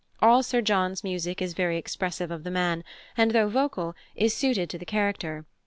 All Sir John's music is very expressive of the man, and, though vocal, is suited to the character.